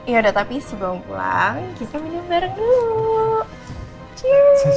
yaudah tapi sebelum pulang